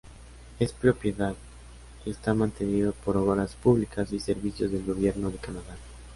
Es propiedad y está mantenido por Obras Públicas y Servicios del Gobierno de Canadá.